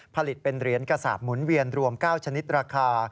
ผลิตเป็นเหรียญกระสาปหมุนเวียนรวม๙ชนิดราคา